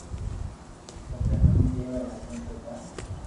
پسي ھوڻين ڪيوا لاگيو ڪي جا